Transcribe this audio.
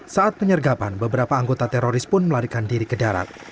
saat penyergapan beberapa anggota teroris pun melarikan diri ke darat